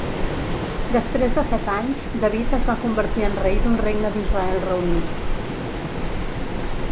Després de set anys, David es va convertir en rei d'un regne d'Israel reunit.